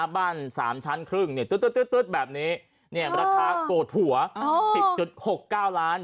บ้าน๓ชั้นครึ่งตึ๊ดแบบนี้ราคาโกรธผัว๑๐๖๙ล้าน